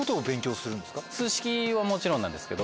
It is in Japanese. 数式はもちろんなんですけど。